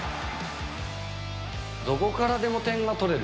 どこからでも点が取れる。